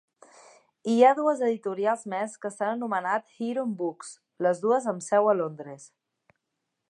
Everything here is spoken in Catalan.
Hi ha dues editorials més que s'han anomenat Heron Books, les dues amb seu a Londres.